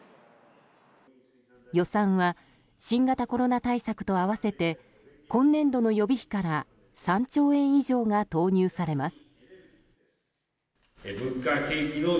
予算は新型コロナ対策と合わせて今年度の予備費から３兆円以上が投入されます。